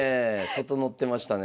整ってましたね。